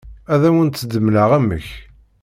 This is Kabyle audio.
Ad awent-d-mleɣ amek.